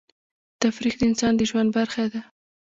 تفریح د انسان د ژوند برخه ده.